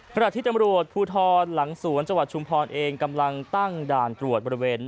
ขณะที่ตำรวจภูทรหลังสวนจังหวัดชุมพรเองกำลังตั้งด่านตรวจบริเวณ